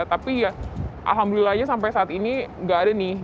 tapi ya alhamdulillahnya sampai saat ini nggak ada nih